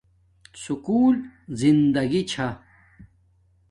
سکُول زندگی چھا